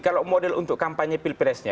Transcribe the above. kalau model untuk kampanye pilpresnya